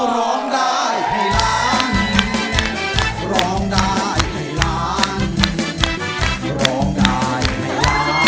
ร้องได้ให้ล้าน